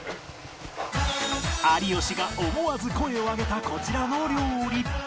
有吉が思わず声を上げたこちらの料理